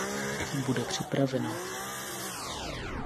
Bude připraveno.